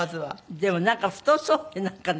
でもなんか太そうねなんかね。